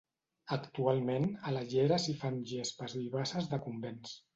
Actualment, a la llera s’hi fan gespes vivaces decumbents.